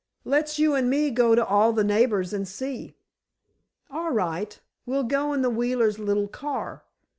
"Let's you and me go to all the neighbors and see." "All right. We'll go in the Wheelers' little car.